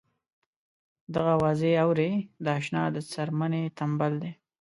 دغه اواز اورې د اشنا د څرمنې تمبل دی.